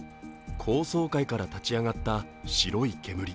高層階から立ち上がった白い煙。